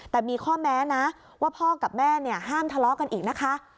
แต่มีข้อแม้นะว่าพ่อกับแม่เนี่ยห้ามทะเลาะกันอีกนะคะ